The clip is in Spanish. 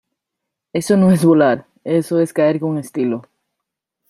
Eso no es volar. Eso es caer con estilo .